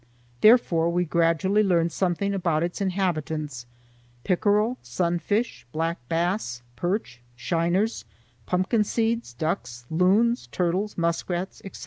Therefore we gradually learned something about its inhabitants,—pickerel, sunfish, black bass, perch, shiners, pumpkin seeds, ducks, loons, turtles, muskrats, etc.